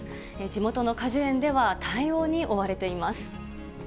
地元の果樹園では対応に追われています。